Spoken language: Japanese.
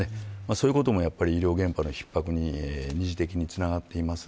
そういうことも医療現場の逼迫に二次的につながっています。